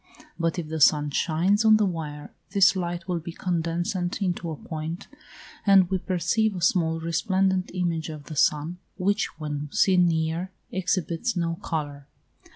But if the sun shines on the wire, this light will be condensed into a point, and we perceive a small resplendent image of the sun, which, when seen near, exhibits no colour.